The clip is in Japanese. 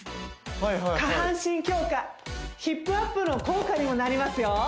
はいはいはい下半身強化ヒップアップの効果にもなりますよ